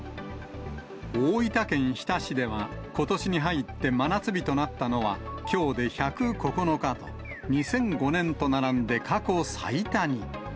大分県日田市では、ことしに入って真夏日となったのはきょうで１０９日と、２００５年と並んで過去最多に。